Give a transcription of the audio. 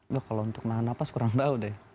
ya kalau untuk nahan nafas kurang tahu deh